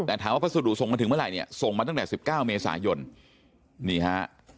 แต่ถามว่าพัสดุส่งมาถึงเมื่อไหร่เนี่ยส่งมาตั้งแต่สิบเก้าเมษายนนี่ฮะ